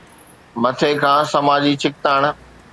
مٿي کان سماجي ڇڪتاڻ.